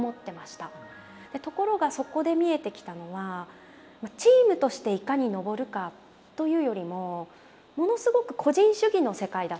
ところがそこで見えてきたのはチームとしていかに登るかというよりもものすごく個人主義の世界だったんですよ。